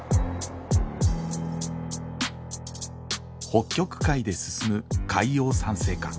北極海で進む海洋酸性化。